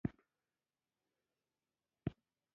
دا د بې بي هاجرې د اضطرابي کیفیت پېښې دي.